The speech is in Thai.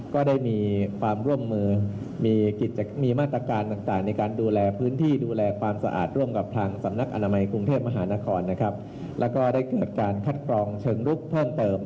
ก็ได้เกิดการคัดกรองเชิงลุกเพิ่มเติม